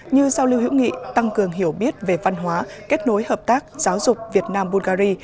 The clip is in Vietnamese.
như giao lưu hữu nghị tăng cường hiểu biết về văn hóa kết nối hợp tác giáo dục việt nam bulgari